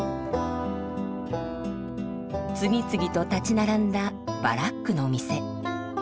次々と立ち並んだバラックの店。